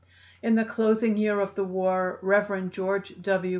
In the closing year of the war Rev. George W.